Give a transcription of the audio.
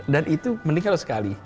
dan itu mending kalau sekali